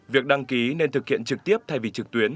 việc đăng ký nên thực hiện trực tiếp thay vì trực tuyến